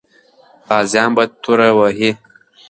غازیان به توره وهي.